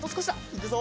いくぞ！